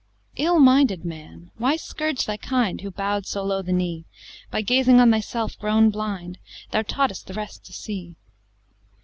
II Ill minded man! why scourge thy kind Who bow'd so low the knee? By gazing on thyself grown blind, Thou taught'st the rest to see.